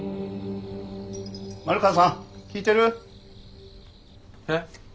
丸川さん聞いてる？え？